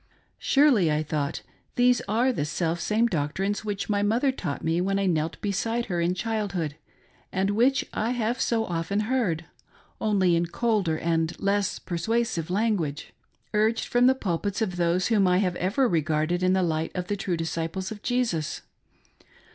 Surely, I thought, these are the selfsame doctrines which my mother taught me when I knelt beside her in childhood, and which I have so often heard — only in colder and less per suasive language — urged from the pulpits of those whom I have ever regarded in the light of true disciples of Jesus.